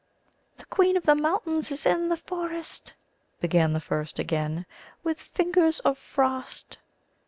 "The Queen of the Mountains is in the Forest," began the first again, "with fingers of frost."